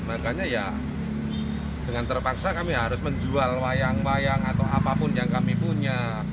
makanya ya dengan terpaksa kami harus menjual wayang wayang atau apapun yang kami punya